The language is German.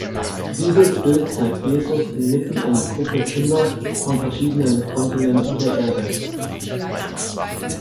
Dieses Bild zeigt Jesus inmitten einer Gruppe Kinder von verschiedenen Kontinenten der Erde.